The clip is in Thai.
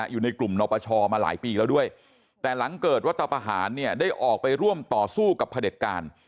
อยู่ในกลุ่มนปชมาหลายปีแล้วด้วยแต่หลังเกิดรัฐประหารเนี่ยได้ออกไปร่วมต่อสู้กับพระเด็จการ